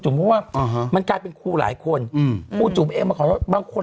ทุ่มว่าอืมมันกลายเป็นครูหลายคนอืมครูจุเวะมาตรงเนี้ยบางคน